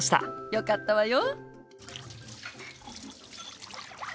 よかったわよ。